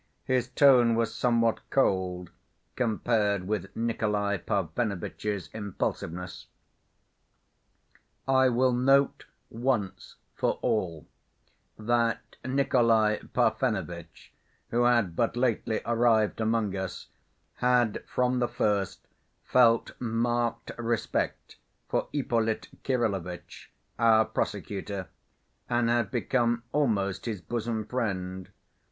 His tone was somewhat cold, compared with Nikolay Parfenovitch's impulsiveness. I will note once for all that Nikolay Parfenovitch, who had but lately arrived among us, had from the first felt marked respect for Ippolit Kirillovitch, our prosecutor, and had become almost his bosom friend.